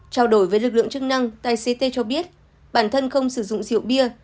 trao đổi với lực lượng chức năng tài xế tê cho biết bản thân không sử dụng rượu bia